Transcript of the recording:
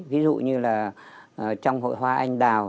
ví dụ như là trong hội hoa anh đào